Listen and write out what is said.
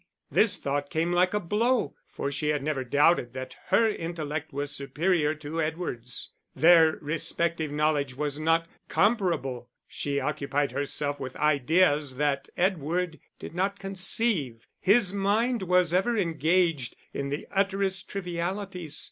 This thought came like a blow, for she had never doubted that her intellect was superior to Edward's. Their respective knowledge was not comparable: she occupied herself with ideas that Edward did not conceive; his mind was ever engaged in the utterest trivialities.